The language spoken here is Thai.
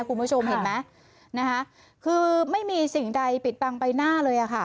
คุณผู้ชมเห็นไหมนะคะคือไม่มีสิ่งใดปิดบังใบหน้าเลยอ่ะค่ะ